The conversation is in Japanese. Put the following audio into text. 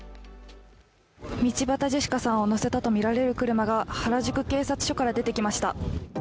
道端ジェシカさんを乗せたとみられる車が原宿警察署から出てきました。